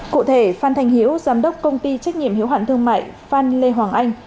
cụ thể phan thành hiểu giám đốc công ty trách nhiệm hiếu hạn thương mại phan lê hoàng anh